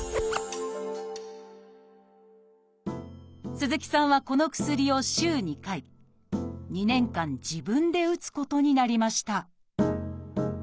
鈴木さんはこの薬を週２回２年間自分で打つことになりました